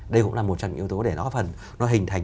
đây cũng là một trong những yếu tố để nó hình thành